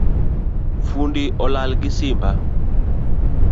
Fundi olal gi simba